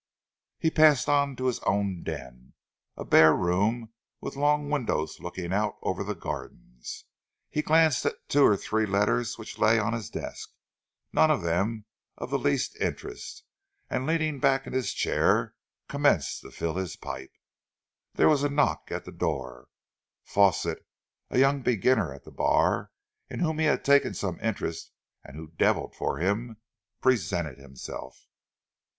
He passed on to his own den a bare room with long windows looking out over the gardens. He glanced at the two or three letters which lay on his desk, none of them of the least interest, and leaning back in his chair commenced to fill his pipe. There was a knock at the door. Fawsitt, a young beginner at the bar, in whom he had taken some interest and who deviled for him, presented himself.